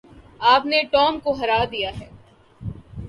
آپ نے ٹام کو ہرا دیا ہے۔